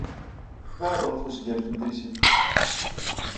Bɛed ɣef wesgalef n trisiti.